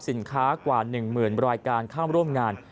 สินค้ากว่า๑๐๐๐รายการเข้าร่วมงาน